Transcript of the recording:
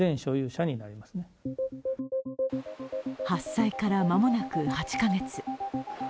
発災から間もなく８カ月。